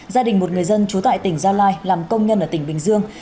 gia đình một người dân trú tại tỉnh gia lai làm công nhân ở tỉnh bình dương